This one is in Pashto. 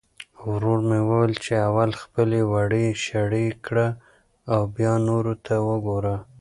ورور مې وویل چې اول خپلې وړۍ شړۍ کړه او بیا نورو ته وګوره.